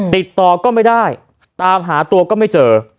ติดต่อก็ไม่ได้ตามหาตัวก็ไม่เจอ